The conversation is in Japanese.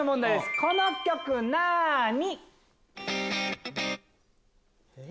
この曲なに？